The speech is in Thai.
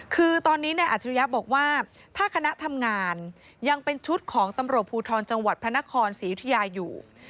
คือตอนนี้นายอัจฉริยะบอกว่าถ้าคณะทำงานยังเป็นชุดของตำรวจภูทรจังหวัดพระนครศรียุธยาอยู่